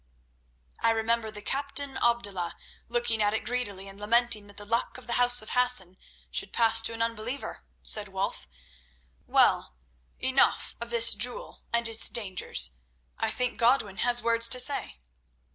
"I remember the captain Abdullah looking at it greedily and lamenting that the Luck of the House of Hassan should pass to an unbeliever," said Wulf. "Well, enough of this jewel and its dangers; I think Godwin has words to say."